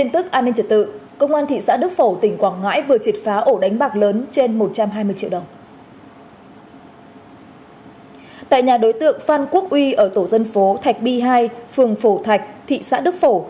tại nhà đối tượng phan quốc uy ở tổ dân phố thạch bi hai phường phổ thạch thị xã đức phổ